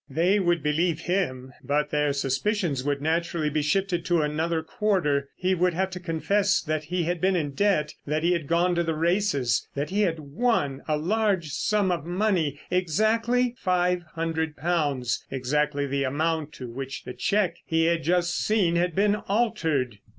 They would believe him, but their suspicions would naturally be shifted to another quarter. He would have to confess that he had been in debt, that he had gone to the races, that he had won a large sum of money, exactly five hundred pounds—exactly the amount to which the cheque he had just seen had been altered.